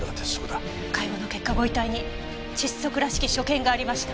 解剖の結果ご遺体に窒息らしき所見がありました。